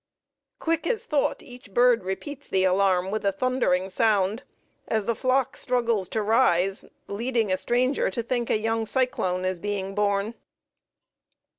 Quick as thought each bird repeats the alarm with a thundering sound, as the flock struggles to rise, leading a stranger to think a young cyclone is then being born.